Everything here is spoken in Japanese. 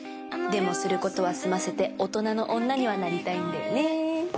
「でもすることは済ませて大人の女にはなりたいんだよね」